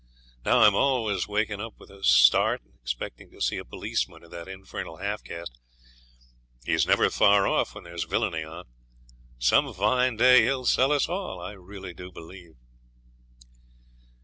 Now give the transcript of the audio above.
Now I'm always waking up with a start and expecting to see a policeman or that infernal half caste. He's never far off when there's villainy on. Some fine day he'll sell us all, I really do believe.'